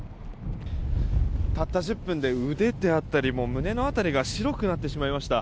たった１０分で腕であったり、胸の辺りが白くなってしまいました。